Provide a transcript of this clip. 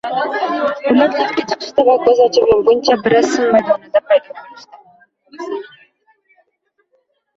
Ular liftga chiqishdi va ko`z ochib yumguncha Bresson maydonida paydo bo`lishdi